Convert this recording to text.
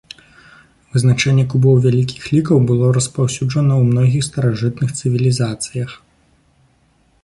Вызначэнне кубоў вялікіх лікаў было распаўсюджана ў многіх старажытных цывілізацыях.